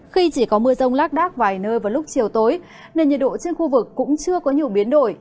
khi chỉ có mưa rông lác đác vài nơi vào lúc chiều tối nên nhiệt độ trên khu vực cũng chưa có nhiều biến đổi